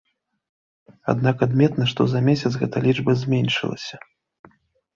Аднак адметна, што за месяц гэта лічба зменшылася.